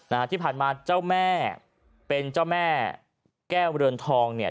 นะฮะที่ผ่านมาเจ้าแม่เป็นเจ้าแม่แก้วเรือนทองเนี่ย